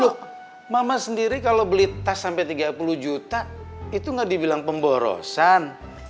loh mama sendiri kalau beli tas sampai tiga puluh juta itu nggak dibilang pemborosan